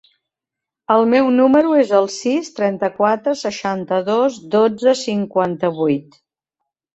El meu número es el sis, trenta-quatre, seixanta-dos, dotze, cinquanta-vuit.